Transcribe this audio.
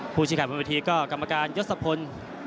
ผู้ชินข่ายบริเวทีก็กรรมการยศพล